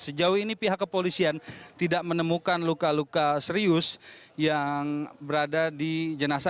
sejauh ini pihak kepolisian tidak menemukan luka luka serius yang berada di jenazah